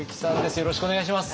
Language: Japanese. よろしくお願いします。